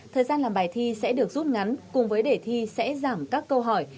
thời gian làm bài thi sẽ được rút ngắn cùng với đề thi sẽ giảm các câu hỏi